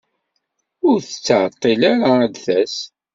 Ur tettɛeḍḍil ara ad d-tas.